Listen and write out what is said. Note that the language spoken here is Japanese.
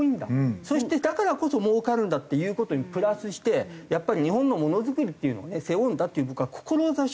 そしてだからこそもうかるんだっていう事にプラスしてやっぱり日本のものづくりっていうのをね背負うんだっていう僕は志をしっかり持ってほしい。